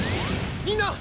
みんな！